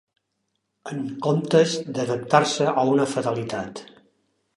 En comptes d'adaptar-se a una fatalitat